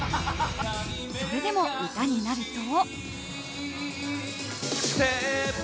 それでも歌になると。